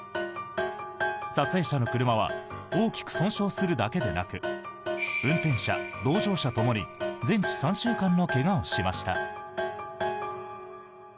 撮影者の車は大きく損傷するだけでなく運転者、同乗者ともに全治３週間の怪我をしました。